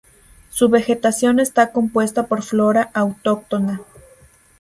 Su vegetación está compuesta por flora autóctona.